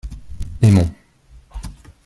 Aimons.